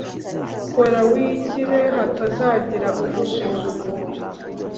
Kora wigire hatazagira ugusuzugura